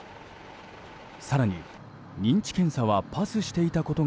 更に認知検査はパスしていたことが